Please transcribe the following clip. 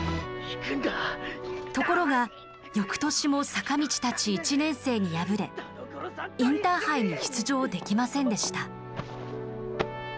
ところがよくとしも坂道たち１年生に敗れインターハイに出場できませんでした。